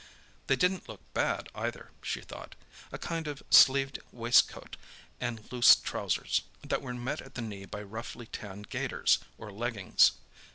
They didn't look bad, either, she thought—a kind of sleeved waistcoat, and loose trousers, that were met at the knee by roughly tanned gaiters, or leggings.